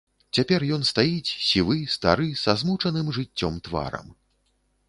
Цяпер ён стаіць, сівы, стары, са змучаным жыццём тварам.